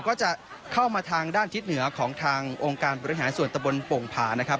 ก็จะเข้ามาทางด้านทิศเหนือของทางองค์การบริหารส่วนตะบนโป่งผานะครับ